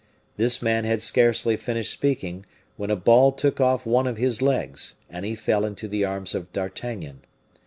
This man had scarcely finished speaking, when a ball took off one of his legs, and he fell into the arms of D'Artagnan.